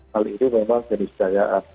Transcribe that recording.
hal ini memang jadi setayaan